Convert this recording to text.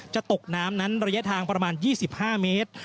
จะตกน้ำนั้นระยะทางประมาณ๒๕เมตร